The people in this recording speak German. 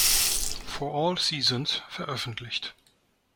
For All Seasons" veröffentlicht.